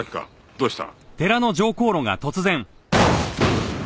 どうした？